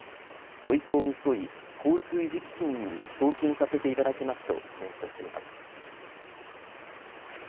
ご意向に沿い、交通遺児基金に送金させていただきますとコメントしています。